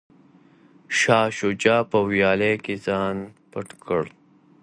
شاه شجاع په ویالې کې ځان پټ کړ.